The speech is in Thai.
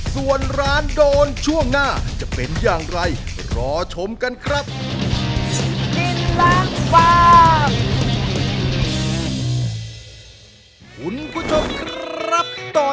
ส่วนร้านโดนช่วงหน้าจะเป็นอย่างไรรอชมกันครับ